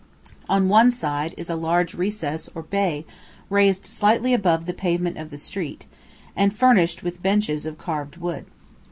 On one side is a large recess or bay raised slightly above the pavement of the court, and furnished with benches of carved wood.